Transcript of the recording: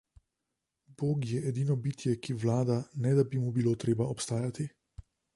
Bog je edino bitje, ki vlada, ne da bi mu bilo treba obstajati.